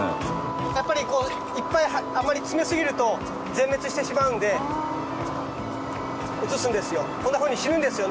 やっぱりこういっぱいあまり詰めすぎると全滅してしまうので移すんですよ。